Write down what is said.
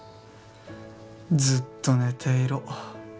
「ずっと寝ていろ。